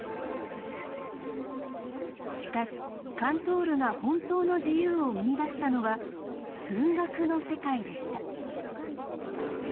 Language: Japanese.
しかしカントールが本当の自由を見いだしたのは数学の世界でした。